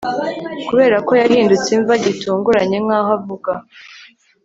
Kuberako yahindutse imva gitunguranye nkaho avuga